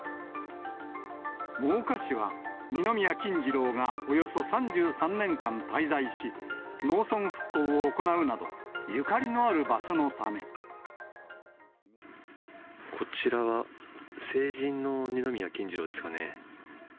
真岡市は、二宮金次郎がおよそ３３年間滞在し、農村復興を行うこちらは、成人の二宮金次郎ですかね。